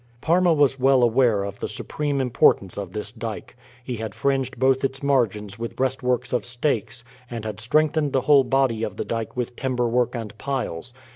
Parma was well aware of the supreme importance of this dyke. He had fringed both its margins with breastworks of stakes, and had strengthened the whole body of the dyke with timber work and piles.